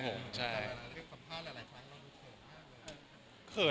ขอบคุณครับสัมพันธ์แล้วค่ะเราจะเค๋น๐